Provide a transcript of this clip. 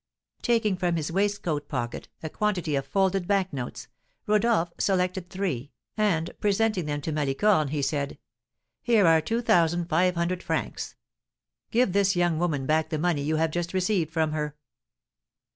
Taking from his waistcoat pocket a quantity of folded bank notes, Rodolph selected three, and, presenting them to Malicorne, he said: "Here are two thousand five hundred francs; give this young woman back the money you have just received from her."